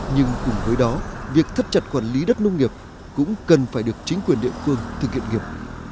nhưng cùng với đó việc thắt chặt quản lý đất nông nghiệp cũng cần phải được chính quyền địa phương thực hiện nghiệp